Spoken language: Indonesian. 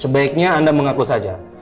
sebaiknya anda mengaku saja